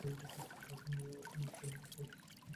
অন্য একদল মুম্বই এবং আবুধাবিতে চিত্রায়ন করে।